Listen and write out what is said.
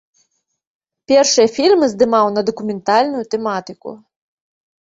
Першыя фільмы здымаў на дакументальную тэматыку.